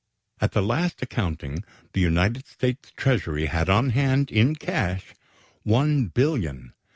At the last accounting the United States treasury had on hand in cash $1,564,416,169.